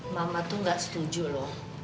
mama tuh gak setuju loh